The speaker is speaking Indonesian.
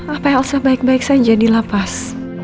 apa elsa baik baik saja dilapas